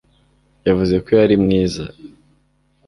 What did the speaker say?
yavuze ko yari mwiza